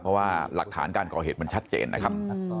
เพราะว่าหลักฐานการก่อเหตุมันชัดเจนนะครับ